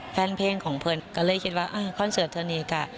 แฟนเพลงของเพื่อนก็เลยคิดว่าคอนเสิร์ตเธอนี้ค่ะ